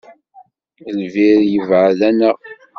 Lbir yebɛed-aneɣ.